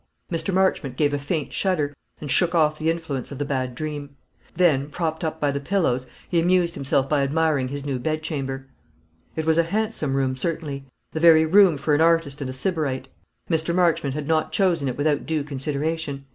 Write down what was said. Mr. Marchmont gave a faint shudder, and shook off the influence of the bad dream. Then, propped up by the pillows, he amused himself by admiring his new bedchamber. It was a handsome room, certainly the very room for an artist and a sybarite. Mr. Marchmont had not chosen it without due consideration.